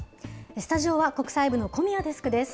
スタジオは国際部の小宮デスクです。